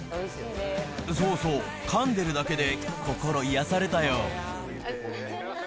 そうそう、かんでるだけで心癒やされたよ。